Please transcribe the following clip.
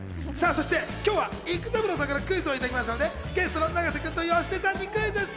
そして今日は育三郎さんからクイズをいただきましたので、ゲストの永瀬君と芳根さんにクイズッス！